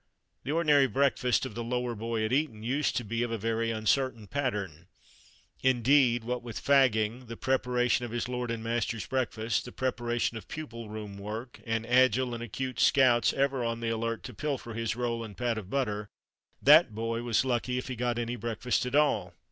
The ordinary breakfast of the "lower boy" at Eton used to be of a very uncertain pattern. Indeed, what with "fagging," the preparation of his lord and master's breakfast, the preparation of "pupil room" work, and agile and acute scouts ever on the alert to pilfer his roll and pat of butter, that boy was lucky if he got any breakfast at all.